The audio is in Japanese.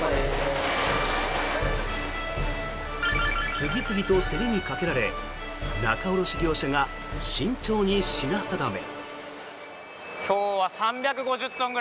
次々と競りにかけられ仲卸業者が慎重に品定め。